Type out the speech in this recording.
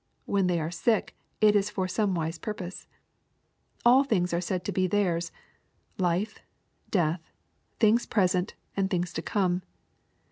When they are sick, it is for some wise purpose. All things are said to be theirs, — ^life, death, things present, and things to come.